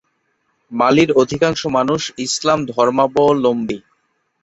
মালির অধিকাংশ মানুষ ইসলাম ধর্মাবলম্বী।